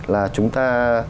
là chúng ta